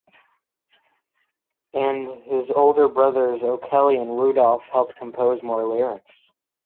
His older brothers O'Kelly and Rudolph helped compose more lyrics.